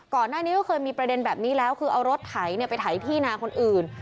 ก่อนหน้านี้ก็เคยมีประเด็นแบบนี้แล้วคือเอารถไถไปไถที่นาคนอื่น